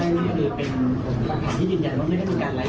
เพื่อคิดสรรายนาศ์ข้อเท็จจริงแล้วก็ต้องรอสังเกต